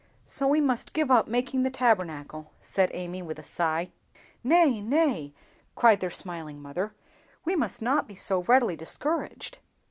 "So we must give up making the Tabernacle," said Amy, with a sigh. "Nay, nay," cried their smiling mother, "we must not be so readily discouraged.